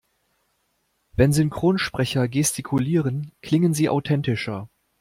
Wenn Synchronsprecher gestikulieren, klingen sie authentischer.